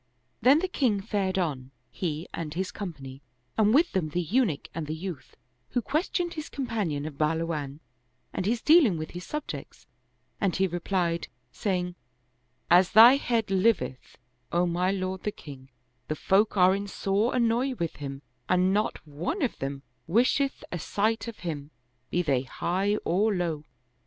Then the king fared on, he and his company, and with them the Eunuch and the youth, who questioned his companion of Bahluwan and his dealing with his subjects, and he replied, saying, " As thy head liveth, O my lord the king, the folk are in sore annoy with him and not one of them wisheth a sight of him, be they high or low."